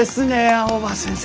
青葉先生。